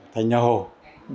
thành nhà hồ